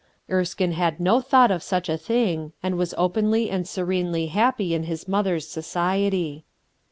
Engine had no thought of such a thing, and was openly and Ecrenely happy in his mother's society.